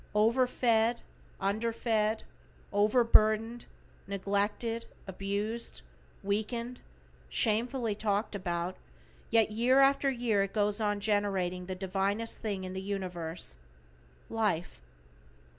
Over fed, under fed, over burdened, neglected, abused, weakened, shamefully talked about, yet year after year it goes on generating the divinest thing in the universe Life.